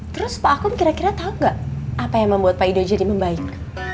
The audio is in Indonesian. terus pak akum kira kira tahu nggak apa yang membuat pak ido jadi membaik